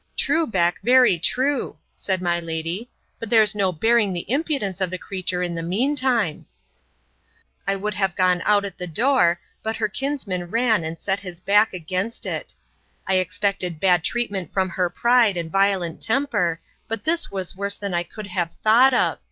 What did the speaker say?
True, Beck, very true, said my lady; but there's no bearing the impudence of the creature in the mean time. I would have gone out at the door, but her kinsman ran and set his back against it. I expected bad treatment from her pride, and violent temper; but this was worse than I could have thought of.